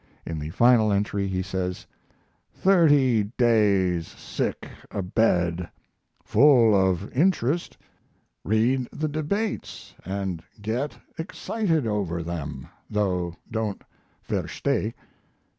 In the final entry he says: Thirty days sick abed full of interest read the debates and get excited over them, though don't 'versteh'.